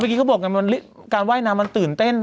วันเนี้ยเขาก็บอกว่าการว่ายน้ำมันตื่นเต้น